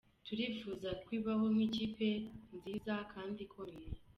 Turifuza ko ibaho nk’ikipe nziza kandi ikomeye.